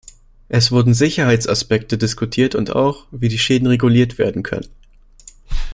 Es wurden Sicherheitsaspekte diskutiert und auch, wie die Schäden reguliert werden können.